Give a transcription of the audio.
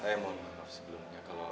ayah mohon maaf sebelumnya kalau